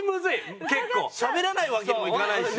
しゃべらないわけにもいかないし。